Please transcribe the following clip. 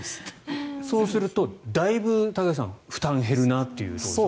そうすると、だいぶ高木さん負担が減るなという。